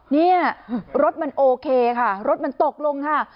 เนี่ยรถมันโอเคค่ะรถมันตกลงค่ะ